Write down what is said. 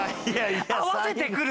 合わせてくる？